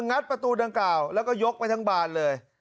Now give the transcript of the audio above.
งัดประตูดังกล่าวแล้วก็ยกไปทั้งบานเลย